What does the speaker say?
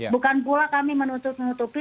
bukan pula kami menutupi